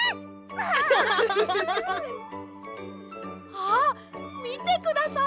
あっみてください！